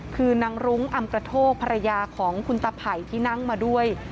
คือนางรุ้งอำกระโทกภรรยาของคุณตาไผ่ที่นั่งมาด้วย